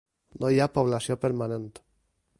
No hi ha població permanent.